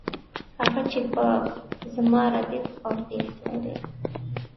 هغه چې په زما ردیف او پیښ لري.